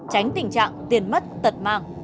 tránh tình trạng tiền mất tật mang